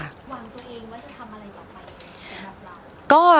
หวังตัวเองว่าจะทำอะไรกับไทยเป็นแบบราว